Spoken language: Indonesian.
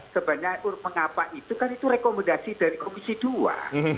sebenarnya mengapa itu kan itu rekomendasi dari komisi dua